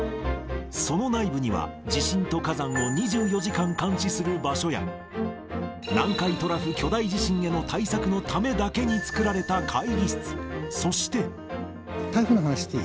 その内部には、地震と火山を２４時間監視する場所や、南海トラフ巨大地震への対策のためだけに作られた会議室、そして。台風の話していい？